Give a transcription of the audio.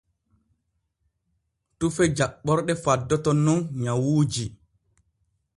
Tufe jaɓɓorɗe faddoto nun nyawuuji.